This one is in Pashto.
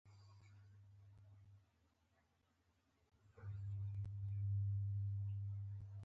غوړي په لوښي کې د جوشې پر پاسه یو محافظوي پرده جوړوي.